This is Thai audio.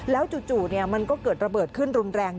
แล้วจู่มันก็เกิดระเบิดขึ้นรุนแรง